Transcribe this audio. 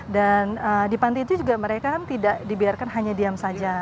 dan di panti itu juga mereka tidak dibiarkan hanya diam saja